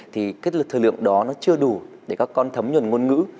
thì cái thời lượng đó nó chưa đủ để các con thấm nhuận ngôn ngữ